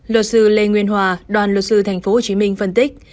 luật sư lê nguyên hòa đoàn luật sư tp hcm phân tích